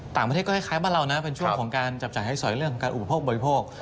ต่างประเทศก็คล้ายบ้านเรานะเป็นช่วงของการจับจ่ายให้สอยเรื่องของการอุปโภคบริโภค